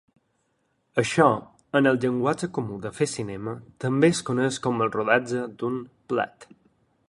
Això, en el llenguatge comú de fer cinema, també es coneix com el rodatge d'un "plat".